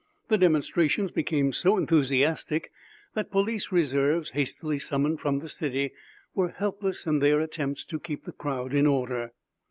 The demonstrations become so enthusiastic that police reserves, hastily summoned from the city, were helpless in their attempts to keep the crowd in order.